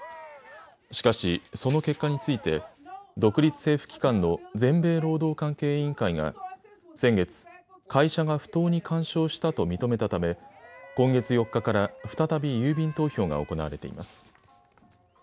しかし、その結果について独立政府機関の全米労働関係委員会が先月、会社が不当に干渉したと認めたため今月４日から再び郵便投票が行われています。